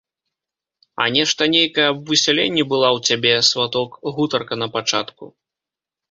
А нешта нейкае аб высяленні была ў цябе, сваток, гутарка напачатку.